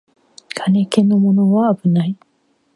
金気のものはあぶない